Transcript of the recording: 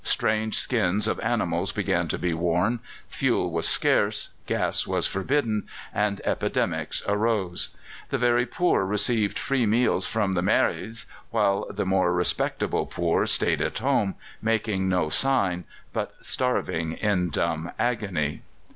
Strange skins of animals began to be worn; fuel was scarce, gas was forbidden, and epidemics arose. The very poor received free meals from the mairies, while the more respectable poor stayed at home, making no sign, but starving in dumb agony.